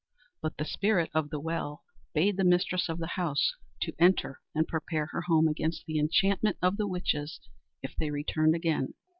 But the Spirit of the Well bade the mistress of the house to enter and prepare her home against the enchantments of the witches if they returned again.